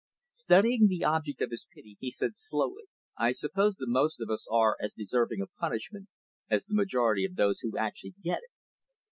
Studying the object of his pity, he said slowly, "I suppose the most of us are as deserving of punishment as the majority of those who actually get it.